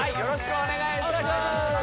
お願いします。